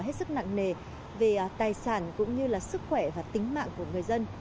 hết sức nặng nề về tài sản cũng như là sức khỏe và tính mạng của người dân